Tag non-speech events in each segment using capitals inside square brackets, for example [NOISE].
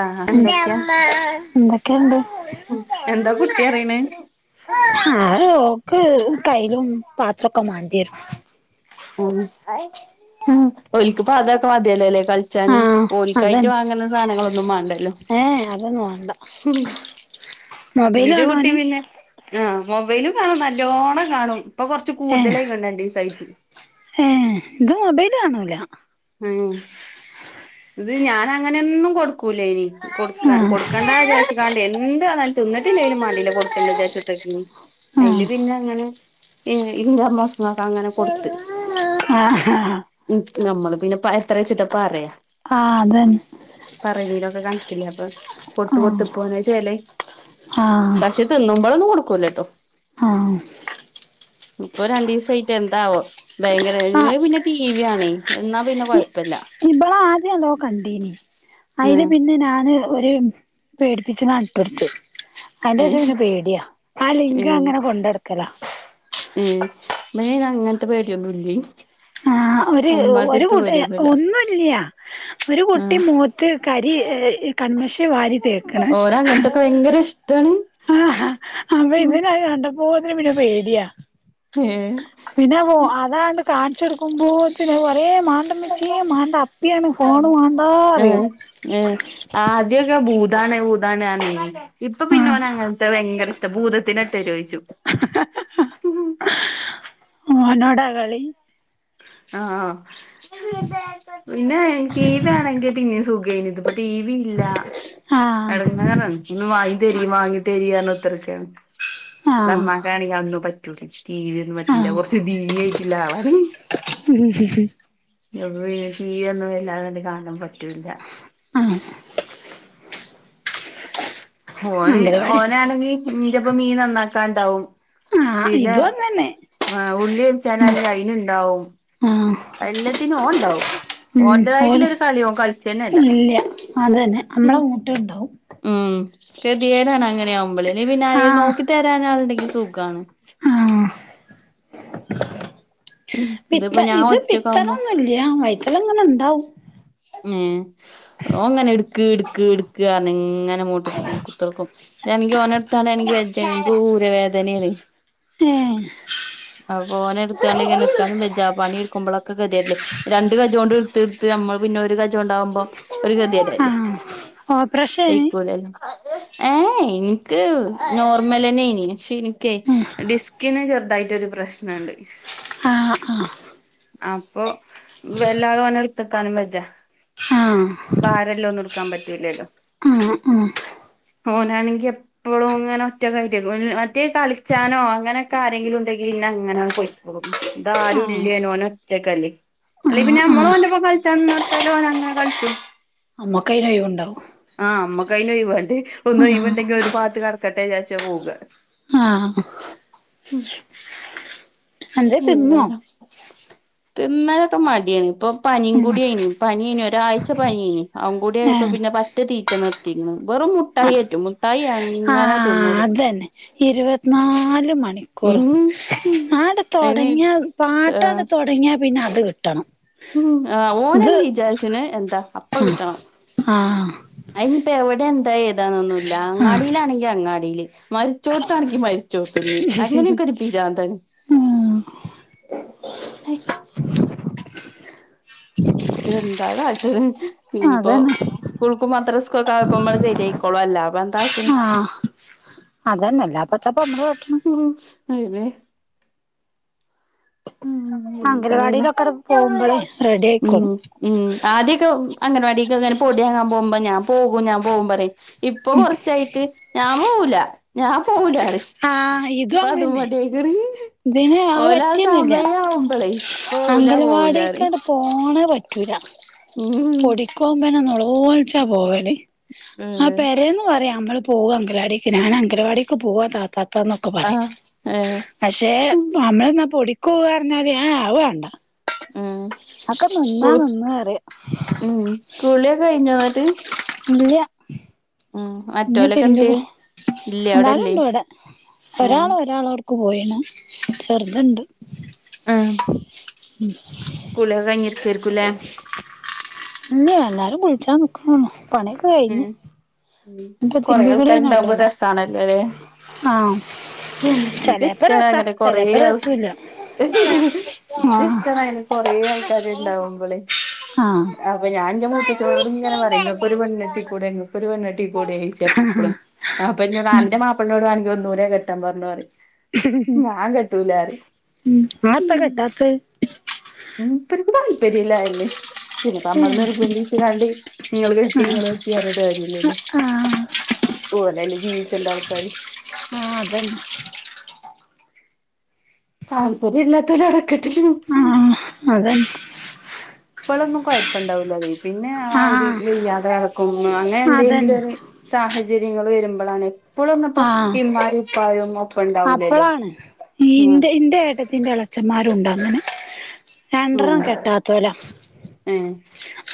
ആഹ് എന്തൊക്കെയാ എന്തൊക്കെണ്ട്? എന്താ കുട്ടി പറയണേ ഓക്ക് കയ്ലും പാത്രൊക്കെ മാണ്ട്യ രും. ഉം ഒലിക്കിപ്പ അതൊക്കെ മത്യേ ല്ലോലെ. ആ കളിച്ചാന് ഓറിക്കായിട്ട് വാങ്ങുന്ന സാധനങ്ങളൊന്നും വാണ്ടല്ലോ. ഏഹ് അതൊന്നും വാണ്ട. ഉം നീരു കുട്ടി ഓന് പിന്നെ. ആഹ് മൊബൈല കാണും നല്ലോണം കാണും ഇപ്പൊ കൊറച്ച് കൂടുതലായികണ് രണ്ടീസായിറ്റ്. സൈറ്റില് ഏഹ് ഇത് മൊബൈല് കാണൂല. ഉം ഇത് ഞാനങ്ങനൊന്നും കൊടുക്കൂലയ്നി. കൊടുക്കാ ആ കൊടുക്കേണ്ടാ ചായിച്ചിക്കാണ്ടേ എന്ത്‌ വന്നാലും തിന്നിട്ടില്ലെങ്കലും മാണ്ടില്ല കൊടുക്ക ണ്ടായ്ച് ത്തിരിക്കുക്കും. അയില് പിന്നെ ഇങ്ങനെ ഇൻ ഇമ്മമ്മ സ്റ്റ് ക് അങ്ങനെ കൊടുത്ത്. ആ ആ ഉം നമ്മള് പിന്നെ പ എത്ര വെച്ചിട്ട് പറയാ. ആഹ് അതന്നെ. പറവലൊക്കെ കാണത്തില്ലേ അപ്പൊ ആ കൊത്തു കൊത്ത പോന്നച്ചല്ലേ ആ പശേ. തിന്നുമ്പളൊന്നും കൊടുക്കൂലട്ടോ. ആഹ്. ഇപ്പൊ രണ്ടീസായിട്ട് എന്താവോ ഭയങ്കര ആ പിന്നെ ടി വി ആണെ എന്നാ പിന്നെ കൊഴപ്പല്ല. ഇബള ആദ്യല്ലോ കണ്ടീനി ഉം അയില് പിന്നെ ഞാന് ഒര്. പേടിപ്പിച്ച ന നട്ടൊട്ത്തു ഉം അയിന്റെഷം പിന്നെ പേഡ്യാ ആ ലിംഗ അങ്ങനെ കൊണ്ടടക്ക് കല. ഏഹ് മേ അങ്ങനത്തെ പേഡിയൊന്നൂല്യെ. ആഹ് ഒര് ഒര് കുട്ടി ഒന്നൂല്യാ ഒരു ഉം കുട്ടി മൂ ത്ത് കരി കൺമശിയ വാരി തേക്ണ്. ഓന് അങ്ങനത്തൊക്കെ ഭയങ്കര ഇഷ്ടാണ് ആഹ് അപ്പൊ ഉം ഇവനത് കണ്ടപ്പോതിന് പിന്നെ പേടിയാ. ഏഹ് പിന്നെ പോ അതാണ്ട് കാണിച്ചെടുക്കുമ്പോെതിന് ഒറേ മാറി ച്ചീ മാണ്ട മ്മച്യേ മാണ്ട അപ്പിയാണ് ഫോണ് മണ്ടാറിം. ഏഹ് ഏഹ് ആദ്യൊക്കെ ഭൂതണെ ഭൂതാണ ആ നീ. ഇപ്പൊ ആഹ് പിന്നെോനെ അങ്ങനത്തെ ഭയങ്കര ഇഷ്ട ഭൂതത്തിനട്ടെരോയ് ച്ചും. ഓനോടാകളി. ആഹ് പിന്നെ കീ വേണെങ്കി പിന്നിം സുഖയ്ന്തു. ഇപ്പൊ ടി വി ഇല്ല ആഹ് എടങേറാണ്. ഇചൊന്ന് വാങ്ങി തരി വാങ്ങി തരിന്നറഞ്ഞുത്തർക്കാണ് ആഹ് അ കാണാ അന്നും പറ്റൂല ടി വ്യോന്നും പറ്റൂല ആഹ് ഒറച്ച് ദീ നായിറ്റ്ള്ളളാണ്. [INAUDIBLE] പിന്നെ ടീവ്യോന്നും വല്ലാദണ്ട് കാണാൻ പറ്റൂില്ല ആഹ് ഓന് അംഗനവാടി ഓനാണെങ്കിൽ ന്റപ്പ മീൻ നന്നാക്കാണ്ടാവും ആഹ് പിന്നെ ഇതും അങ്ങനെ ഉള്ളിയുൽച്ചനാണെങ്കിൽ അയിന്ണ്ടാവും ആഹ് എല്ലത്തിനും ഓണ്ടാവും ഉം ഓണ്ടതായിട്ടുള്ള ഓല് ഒരു കളീം ഓന് കളിച്ചേന്നെ അല്ല ഇല്ല അതന്നെ നമ്മളങ്ങോട്ടുണ്ടാവും ഉം കേതിയേടാണ് അങ്ങനെ ആവുമ്പോള ഇ പിന്നെ അ ആഹ് നോക്കി തരാൻ ആളുണ്ടെങ്കിൽ സുഖാണ് ആഹ് പിത്ത ഇതിപ്പോ ഞാൻ ഇത് പിത്തനൊ ഒറ്റക്കാവുമ്പോ ന്നുല്ല വൈത്തലങ്ങനെ ഉണ്ടാവും ഏഹ് ഓങ്ങനെ ഇടുക്ക്‌ ഇടുക്ക് ഇങ്ങനെ മുട്ട് കുത്തിർക്കും ഇൻക്കാണെങ്കി ഓന്നെടുത്താണ് എനിക്ക് വെജനിക്ക് ഊരവേദനെൻ [INAUDIBLE] അപ്പോന എടുത്താണ്ടങ്ങനെ നിക്കാനും ബെജാ പണി ആക്ക്പോഴൊക്കെതിയല്ലേ രണ്ട് കജ കൊണ്ട് എടുത്ത്ടുത്ത് നമ്മള് പിന്നെ ഒരു കജ കൊണ്ടാകുമ്പോ ഒരു ഗതിയ ഏയ്‌ ആഹ് ഓപ്പറേഷേനി വെയ്ക്കൂല്ലല്ലോ ഏഹ് എനിക്ക് നോർമലന്നെനി പക്ഷെ ഉം ഡിസ്കിന് ചെറുതായിട്ടൊഒരു പ്രശ്നുണ്ട് ആഹ് ആഹ് അപ്പൊ വല്ലാ ഓനെ എടുത്ത്ക്കാനും വജ്ജ ഉം. ഭാരെല്ലഒന്നും എടുക്കാൻ പറ്റലല്ലോ ആഹ് ഓനാണെങ്കി അപ്പോളും ഇങ്ങനെ ഒറ്റക്കയി മറ്റേ കളിച്ചാനോ അങ്ങനെൊക്കെ ആരെങ്കിലും ഉണ്ടെങ്കിൽ പിന്നെ അങ്ങനെ പോയിക്കോളും ആഹ് ആഹ് ദാരുല്ല ഒറ്റക്കല്ലേ അല്ലെ പിന്നെ ആഹ് നമ്മോളോ ആഹ് ന്റപ്പോ കളിച്ചന്നത്ത ഓനങ്ങനെ കളിച്ചു അമ്മക്കൈന് ഒഴവുണ്ടാവും ആഹ് അമ്മക്കൈന് ഒഴവാണ്ടേ ഒന്ന് ആഹ് ഒഴ്യുണ്ടെങ്കിൽ ഒരു പാത്ത് കടക്കട്ടെ വിചാരിച്ച പോക ആഹ് എന്തേ ഏ തിന്നോ തായാലും തിന്നാലൊക്കെ മടിയാണ് ഇപ്പൊ പനിയും ഉം കൂടിയേനി പനി യേനി ഒരാഴ്ച പനിയേനി അതും കൂടി ആയപ്പൊ പിന്നെ ഏഹ് പറ്റ തീറ്റ നിർത്തി ക്ക്ണ് വെറും മുട്ടായി ആറ്റും മുട്ടായി അങ്ങനെ അ തിന്നോളും തന്നെ ഇരുപത്തിനാല് മണി ഉം ഉം ആണ്ട് അയിന് തൊടങ്ങിയ ആഹ് പാട്ടാണ്ട് തൊടങ്ങിയാ പിന്നെ അത് കിട്ടണം ഉം ആ ഇത് ഓനന്ന് വിചാരിച്ചന് എന്താ അപ്പ കിട്ടണം ആഹ് അയിനിയിപ്പ എവിടെ എന്താ ഏതാന്നൊന്നുല്ല ആഹ് അങ്ങാടിയിലാണെങ്കി അങ്ങാടിയില് മരിച്ചോടുത്താണെങ്കി മരിച്ചോടുത്തന്ന് അങ്ങനെയൊക്കെ ഒരു പിരാന്താണ് ഉം ഹയ് എന്താ കാട്ടണ് പിന്നയിപ്പോ അതന്നെ സ്കൂൾക്കുംമദ്രസ ക്കൊക്കേ ആക്കുമ്പോ ശരിയയിക്കോള അല്ല അപ്പൊ എന്താക്ക്ണ് ഉ അതന്നെല്ലാപ്പത്ത നമ്മ ഉം അതെ അംഗലവാടിയിലൊക്കെടെ പോകുമ്പോളേ റെഡി ഉം ആയിക്കോളും ഉം ആദ്യൊക്കെ അംഗൻവാടിക്കൊക്കേ ഇങ്ങനെ പൊടിയങ്ങാൻ പോകുമ്പോ ഞാൻ പോകും ഞാൻ പോകും പറയും ഇപ്പൊ കൊറച്ചായിട്ട് ഞാൻ പോവല ഞാൻ പോവലറി അപ്പൊ അതും മടിആയി [UNINTELLIGIBLE] ഇതിൻ ആ ഹ് പറ്റെന്നല്ല പോവൂല അംഗൽവാടി പോവൂലാറിം ക്കാണ്ട് പോണ പറ്റൂല ഉം ഓൻ ഇങ്ങനെ നെലൊൾച്ച പൊവൽ ഏഹ് പറയാ നമ്മൾ പോക അങ്കലാടിക്ക് ഞാൻ അങ്കലവാടിക്ക് പോക താത്താന്നൊ ആ ഹ്ആഹ് പക്ഷെ നമ്മളന്നാ പൊടിക്ക്പൊവാന്ന് പറഞ്ഞാൽ അഹ് ആഹ് മാണ്ട ഉം അക്കെ നിന്നാ സ്കൂ നിന്ന അറിയാം ഉം കുളിയൊക്കെ കഴിഞ്ഞ ഞ്ഞട്ട് ഇല്ല്യ ഇഞ്ഞ മറ്റോലൊക്കെ തിരുമ്പി കു എന്ത്യേ ഇല്ലേ അവിടെല്ലേ എന്താലുണ്ട് വടെ ഒരാള് ഒരാളോട് ക്ക് പോയതാണ് ചെറുത്ണ്ട് ആഹ് കുളിയൊക്കെ കയിഞ്ഞ്ഇര്ക്കായിരുക്കുലെ ഇല്ലയ് എല്ലാരും കുളിച്ചാ നിക്കാണൊള്ളു പണിയൊക്കെ ഉം കഴിഞ്ഞ് അപ്പൊ കൊറേ തിരുമ്പി കുളിയന്നെ ആൾക്കാരുണ്ടാവുമ്പോ ഒള്ളൊല്ലൊ രസാണല്ലോല്ലേ ആഹ് ഉം ചെലേപ്പ ഇൻക്ക്സ്സ്റ്റ രസാ അങ്ങനെ കൊറെ ചെലേപ്പ ആൾക്കാ രസൂല്ല ഇച്ച് ആഹ് ഇഷ്ടണയിന് കൊറെ ആൾക്കാര് ഇണ്ടാവുമ്പളെ ആഹ് അപ്പൊ ഞാൻന്റെ മൂത്തച്ചനൊട് ഇങ്ങെ പറിം ഇങ്ങക്കൊരു പെണ്ണട്ടി കൂടെ ഒരു പണ്ണിട്ടീ കൂടെ ചെപ്പളും അപ്പൊ ഇന്നൊട് അന്റെ മാപ്പിളോട് വണങി ഒന്നൂടെ കെട്ടാൻ പറഞ്ഞൊ പറിം ഞാൻ കെട്ടൂലറിം നിങ്ങളെത്താ കെട്ടാത്തെ മൂപ്പർക്ക് താല്പര്യം ഇല്ല അതന്നെ പിന്നെപ്പ നമ്മള് നിർബന്ധിച്ച് കാണ്ട് നിങ്ങള് കെട്ടി ആഹ് നിങ്ങൾ കെട്ടി അറിഞ്ഞിട്ട് കാര്യല്ലല്ലോ ആഹ് ഓല ല്ലേ ജീവിച്ച ണ്ടാൾക്കാര് ആഹ് അതന്നെ താല്പര്യം ഇല്ലാത്തൊര അടക്കട്ടെ ആഹ് അതെ ഇപ്പോളൊന്നും കൊഴപ്പം ഇണ്ടാവൂല്ലത പിന്നെ ആ ഒരു ആഹ് കഴിഞ്ഞാണ് ത് എളക്കം അങ്ങനെ എന്തെങ്കിലും അതന്നെ ഒരു സാഹചര്യങ്ങൾ വരുമ്പളാണ് എപ്പോള ന്നുപ്പം ആഹ് ഇമ്മാരും ഉപ്പായും ഒപ്പം ഉണ്ടാവൂലല്ലോ ഇൻ്റെ എട്ട ത്തിന്റെ എളച്ചന്മാരു ഉണ്ട് അങ്ങനെ രണ്ടറണം കെട്ടാത്തൊല്ല ഏ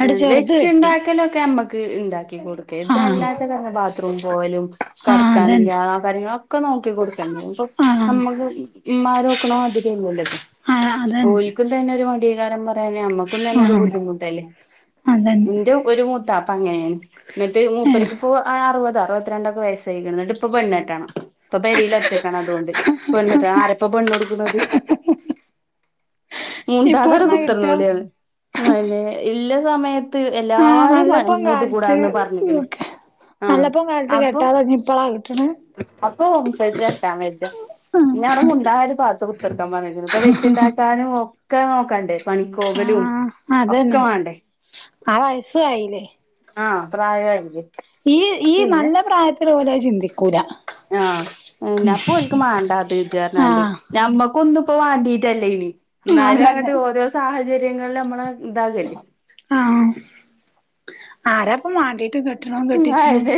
ഏ വെച്ച് കെട്ടി ഉണ്ടാക്കലക്കെ ഞമ്മക്ക് ഉണ്ടാക്കി കൊടുക്ക ആഹ് ഇതല്ലാത്ത തന്നെ ബാ ത്രുപോവലും ആഹ് കറക്കാനില്ല അതന്നെ ആ കാര്യങ്ങളൊക്കെ നോക്കിടുക്കൊ ആഹ് നമ്മക്ക് ഇമ്മാര് നോക്ക്ണ മാതിരി അല്ലല്ലോ ആഹ് ഇത് അതന്നെ ഓല്ക്കും തന്നെ ഒരു മടീകാരം അന്നെ നമ്മക്കും തന്നെ ഒരു ആഹ് ബുദ്ധിമുട്ടല്ലേ അതന്നെ എന്റെ ഒരു മുത്താപ്പ അങ്ങനെണ് എന്നിട്ട് ഏഹ് മുപ്പര്ക്ക് ഇപ്പോ അറുപത് അറുപത്തിരണ്ടക്കെ വയസ്സായിക്ക്ണ് ഇന്നിട്ട് ഇപ്പംപെണ്ണ്ട്ടണം ഇപ്പൊ പെരില് ഒറ്റക്കാണ് അതുകൊണ്ട് പെണ്ണട്ടണംആരപ്പൊ പെണ്ണു കൊടുക്ക്ണത് ഇപ്പൊ മുണ്ടാത അവ്ടെ എവിടുന്നാ കിട്ടാ കുത്തറ്ന്നോളി [UNINTELLIGIBLE] അതന്നെ ഇല്ല സമയത്ത് ത്ത് ആഹ് എല്ലാരും നല്ലപ്പം ഇങ്ങോട്ട് കാലത്ത് കൂടാന്ന് പറഞ്ഞ്ക്ക്ണ് ഒക്കെ ആഹ നല്ലപ്പം കാലത്ത് അപ്പൊ കെട്ടാതെ ഇപ്പളാ കിട്ടണ് അപ്പം [UNINTELLIGIBLE] ഇന്നെ മുണ്ടാതെ പാത്ത് കുത്തർക്കാൻ പറഞ്ഞിക്ക്ണ് ഇപ്പൊ വെച്ചുണ്ടാക്കാനും ഒക്കെ നോക്കണ്ടേ പണിക്കോകലും ആഹ് ഒക്ക അതന്നെ വേണ്ടേ ആ വയസു ആയില്ലേ ആഹ പ്രായയിലെ ഈ ഈ നല്ല പ്രായത്തിൽ ഓല് അഹ് ചിന്തിക്കൂല ആഹ് പിന്ന അപ്പൊ ഓൽക്ക് മാണ്ടത്തേന് ആഹ് [UNINTELLIGIBLE] ഞമ്മക്ക് ഒന്ന് പ്പോ വാണ്ടിട്ടല്ലേനി എന്നാലും അതന്നെ അങ്ങിട്ട് ഓരോ സാഹചര്യങ്ങളിൽ നമ്മള ഇതാകല്ലേ ആഹ ആരാപ്പ മാണ്ടീട്ട് കെ ഉ അതെ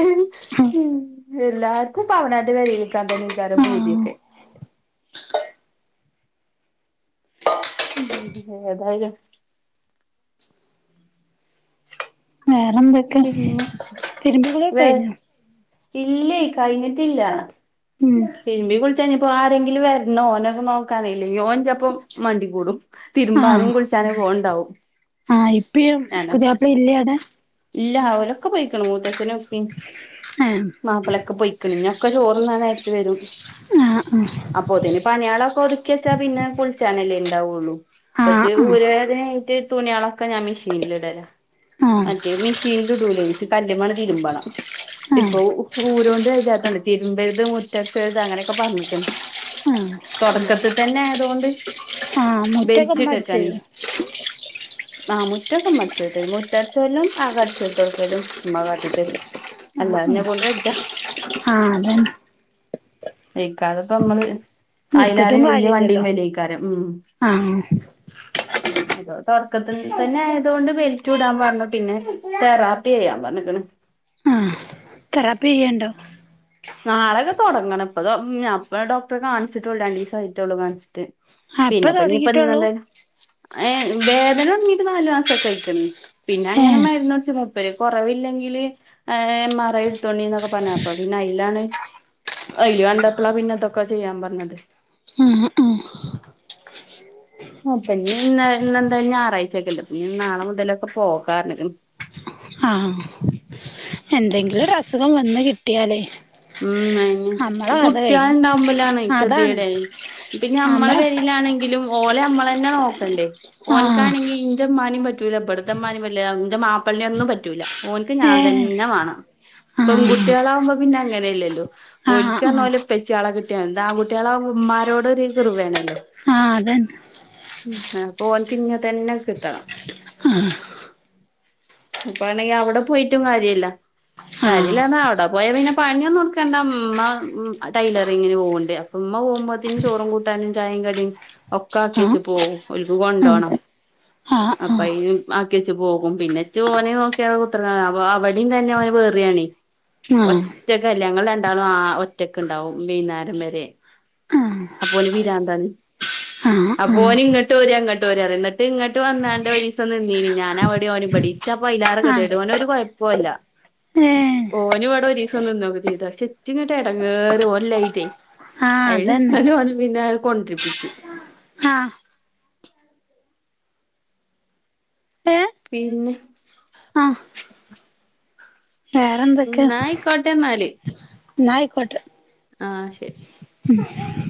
എല്ലാർക്കും ഇപ്പേ അവനാന്റെ പെരീൽക്കാൻ തന്നെ വിചാരം ആഹ് പൂതിക്കെ മ് ഏതായാലും വേറെന്തക്കെ പിന്നെ തിരുമ്പിക്കുളിക്കെ കഴിഞ്ഞോ? ഇല്ല്യ കഴിഞ്ഞിട്ടില്ല ഉം തിരുമ്പി കുളിച്ച് ഇപ്പോ ആരെങ്കിലും വരണോ ഓനൊക്കെ നോക്കാാനല്ലേ ഓൻ ൻ്റപ്പം മണ്ടി കൂടും. തിരുമ്പാനും ആഹ് കുളിച്ചാനും പോവണ്ടാവും [UNINTELLIGIBLE] വെല്ലിയേ അടാ ഇല്ല ഓലോക്കെ പോയിക്ക്ണ് മൂത്തച്ഛനുംഇപ്പീം ഏഹ് മാപ്പളെക്കെ പോയി പിന്നൊക്കെ ചോറ്ന്നാ നേരത്ത് വരും. ആഹാ അ അപ്പൊതിന് പണിയളൊക്കെ ഒതുക്കി വെച്ചാ പിന്നെ കുളിച്ചാനല്ലേ ണ്ടാവുള്ളൂ ആഹ് ഇപ്പച്ച് ആഹ് ആഹ് ഊരവേദനായിട്ട് തുണിയാളൊക്കെ ഞാൻ മിഷീനില് ഇടലാ ആഹ് മറ്റേ മിഷീനില്ടൂലേ ഇന്ക്ക് കല്ല്മ്മന്ന് തിരുമ്പണം ഇപ്പോ ആഹ് ഊരോണ്ട് വെജ്ജാത്തോണ്ട് തിരുമ്പരുത് മുറ്റടിചോരത് അങ്ങനെക്കെ പറഞ്ഞിക്ക്ണ് ആഹ് തൊടക്കത്ത്തന്നെ ആയതോണ്ട് ആഹ് മുറ്റൊക്കെ ഉമ്മ ബെൽറ്റ്ഇട്ട്ക്കാണേ അടിച്ചരും ആഹ് മുറ്റോക്കെ ഇമ്മ അടിച്ചോരി തരും മുറ്റ ചാരലും അകടിച്ചോരിതൊടക്കലും ഇമ്മ കാട്ടിത്തരും ആഹ് ഉം ആഹ് അതന്നെ വൈക്കാതെപ്പമ്മള് എടുത്തിട്ടും അയിലേറീം വല്ല്യേ കാര്യല്ലല്ലോ വണ്ടീം വലിം അയിക്കാരം ഉം ആഹ് അത് തൊടക്കത്ത് തന്നെ ആയതൊണ്ട് ബെൽറ്റുടാ പറഞ്ഞു പിന്നെ തെറാപ്പിയ്യാ പറഞ്ഞ്ക്ക്ണ് തെറാപ്പിയ്യ്ണ്ടോ? നാളെക്കെ തൊടങ്ങണം പ്പദോ ഉം ഞാപ്പ ഡോക്ടറെ കാൺച്ചിട്ടുള്ളൂ രണ്ടീസായിറ്റൊള്ളൂ കാണിച്ചിട്ട്. ആഹ് ഇപ്പ പിന്നെപ്പഞ്ഞീ തൊടങ്ങിട്ടൊള്ളൂ പ്പന്നന്താ ണ് ഏ വേദന തൊടങ്ങീട്ട് നാല് മാസൊക്കെ അയിക്ക്ണ് പിന്നെങ്ങനെ ഏഹ് മരുന്ന് കുടിച്ച് മൂ പേ കൊറവില്ലെങ്കില് ഏ എം ആർ ഐ എടുത്തോണ്ടിന്നൊക്കെ പറഞ്ഞ അപ്പ പിന്നെ അയിൽ യിലാണ് അയില് കണ്ടപ്പള പിന്നെതൊക്കെ ചെയ്യാ പറഞ്ഞത്. ആഹ് അ അപ്പഞ്ഞി ഇന്ന് ഇന്നെന്തായാലും ഞായറാഴ്ചക്കല്ലോ ഞ്ഞി നാളെ മുതലൊക്കെ പോകാറഞ്ഞ്ക്ക്ണ് ആഹ് എന്തെങ്കിലും ഒരു അസുഖം വന്ന് കി ഉം അയന്നെ ഈ കഥ കുട്ടിയാള് കഴിഞ്ഞ് ണ്ടാവുമ്പലാണ് അതാണ് കെതിയേട് പിന്നെ അമ്മളെ നമ്മളെ പേരിലാണെങ്കിലും ഓലെ അമ്മളെന്നെ നോക്കണ്ടേ ആഹ് ഓൻക്കാണെങ്കി ഇ ൻ്റെ ഇമ്മാനിം പറ്റൂല ഇബെടുത്തമ്മാനിം പറ്റ്ലാ ഇഞ്ചെ മാപ്പള്നെ ഒന്നും പറ്റൂല. ഓൻക്ക് ഞാൻ ഏഹ് തന്നെ വാണം. ആഹ് പെൺകുട്ടികളാകുമ്പോ പിന്നെ അങ്ങനെ ല്ലല്ലോ ആഹ് ഓൽക്ക് അറഞ്ഞ ആഹ് ഓലെ ഇപ്പ ച്ചിയാളെ കിട്ടിയാ ദാ ആകുട്ടിയാളാവുമ്പോ ഉമ്മാരോട് ഒരു കൃബയാണല്ലോ ആഹ് അതന്നെ ഉം ആഹ് അപ്പോൻക്ക് ഇഞ്ഞത്തന്നെ കിട്ടണം ഉപ്പാണെങ്കി അവടെ പോയിട്ടും കാര്യല്ല ആഹ് കാര്യല്ലാന്നാ അവടെ പോയാ പിന്നെ പണി ഞാ നോക്കണ്ടമ്മ ഉം അ ടൈലറിങ്ങിന് പോവ്ണ്ട് അപ്പമ്മ പോവുമ്പത്തിന് ചോറും കൂട്ടാനും ചായീം കടീം ഒക്കെ ആഹ് ആക്കിയച്ച് പോവും ഓൽക്ക് കൊണ്ടോണം ആഹ് ആഹ് ആഹ് അപ്പ അയിന് മ്മ ആക്കിയച്ച് പോകും പിന്നെച്ച് ഓനെ നോക്കിയ കുത്രന്ന അപ്പൊ അവടീം തന്നെ അവന് വെറിയാണ് ആഹ് ഒറ്റകല്ലേ അങ്ങള് രണ്ടളും ആഹ് ഒറ്റക്ക്ണ്ടാവും വൈന്നാരംവരെ ആഹ് അപ്പൊന് പിരാന്താണ് ആഹ് അപ്പ ഓന് ഇങ്ങട്ട് പോരങ്ങട്ട് പോരഅറി ഇന്നിട്ട് ഇങ്ങട്ട് വന്നാണ്ട് ഒരീസം നിന്നീന് ഞാൻ അവടെ ഓന്പടി ഇച്ചപ്പ അയിലേറെ കെതിയേട് ആഹ് ഒനൊരു കുഴപ്പൊല്ല ഏഹ് ഓന് വടെ ഒരീ സം നിന്നൊക്കെ ചീതു പക്ഷെ ച്ചിങ്ങട്ട് എടങ്ങേർ ഒല്ലായിറ്റേ ആഹ് അതന്നെ അയില് ഓനെ പിന്നാലെ കൊണ്ട്രിപ്പിച്ച് ആഹ് ഏഹ് പിന്നെ ആഹ് വേറൊന്തൊക്കെ എന്നാ ആയിക്കോട്ടെ എന്നാല് ന്നായിക്കോട്ടെ ആഹ് ശരി [INAUDIBLE]